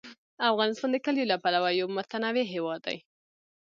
افغانستان د کلیو له پلوه یو متنوع هېواد دی.